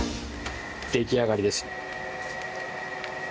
出来上がりです。